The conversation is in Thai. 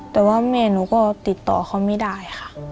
แต่ว่าแม่หนูก็ติดต่อเขาไม่ได้ค่ะ